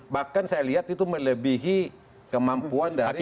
bahkan saya lihat itu melebihi kemampuan dari